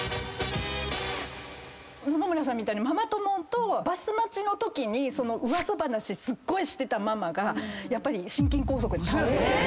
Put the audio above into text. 野々村さんみたいにママ友とバス待ちのときに噂話すっごいしてたママがやっぱり。